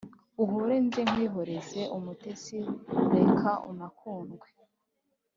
Uhore nze nkwihoreze umutesi reka unakundwe